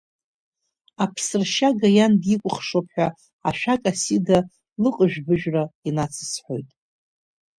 Аԥсыршьага иан дикәыхшоуп ҳәа ашәак Асида лыҟыжәбыжәра инацысҳәоит.